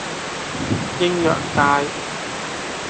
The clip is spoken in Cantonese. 鷹揚街